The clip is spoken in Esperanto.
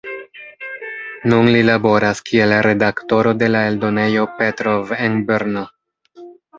Nun li laboras kiel redaktoro de la eldonejo Petrov en Brno.